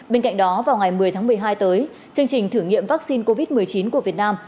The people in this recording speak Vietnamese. bên cạnh đó vào ngày một mươi tháng một mươi hai tới chương trình thử nghiệm vaccine covid một mươi chín của việt nam